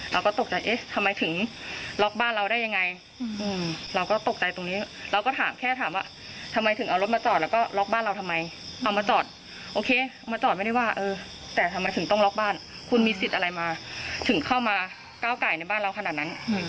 เราก็ตกใจเอ๊ะทำไมถึงล็อกบ้านเราได้ยังไงเราก็ตกใจตรงนี้เราก็ถามแค่ถามว่าทำไมถึงเอารถมาจอดแล้วก็ล็อกบ้านเราทำไมเอามาจอดโอเคมาจอดไม่ได้ว่าเออแต่ทำไมถึงต้องล็อกบ้านคุณมีสิทธิ์อะไรมาถึงเข้ามาก้าวไก่ในบ้านเราขนาดนั้น